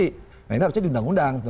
nah ini harusnya di undang undang